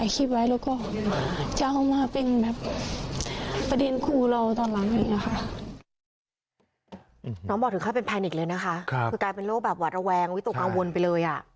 คือกลายเป็นโรคแบบหวัดระแวงวิตุกังวลไปเลย